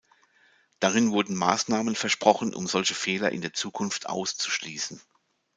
Darin wurden Maßnahmen versprochen, um solche Fehler in der Zukunft auszuschließen.